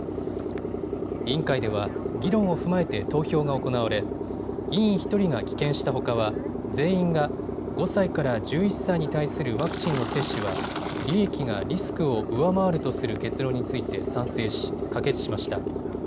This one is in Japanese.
委員会では議論を踏まえて投票が行われ、委員１人が棄権したほかは全員が５歳から１１歳に対するワクチンの接種は利益がリスクを上回るとする結論について賛成し、可決しました。